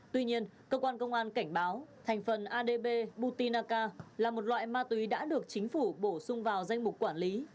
tuy nhiên cơ quan công an cảnh báo thành phần adbutinaka là một loại ma túy đã được chính phủ bổ sung vào danh mục quản lý